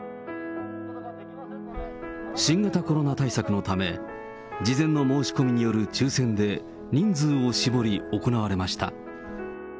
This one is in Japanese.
新型コロナ対策のため、事前の申し込みによる抽せんで人数を絞り行われました。